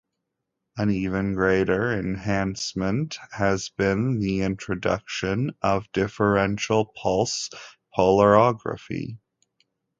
An even greater enhancement has been the introduction of differential pulse polarography.